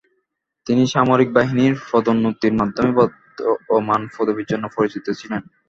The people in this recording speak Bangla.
তিনি সামরিক বাহিনীর পদোন্নতির মাধ্যমে বর্ধমান পদবির জন্য পরিচিত ছিলেন।